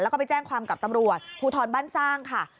แล้วก็ไปแจ้งความกับตำรวจภูทรบ้านสร้างค่ะ